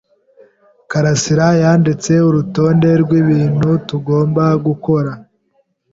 Karasirayanditse urutonde rwibintu tugomba gukora.